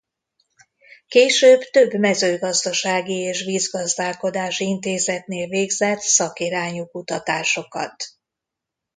Később több mezőgazdasági és vízgazdálkodási intézetnél végzett szakirányú kutatásokat.